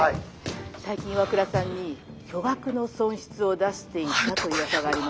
最近岩倉さんに巨額の損失を出していたといううわさがありまして」。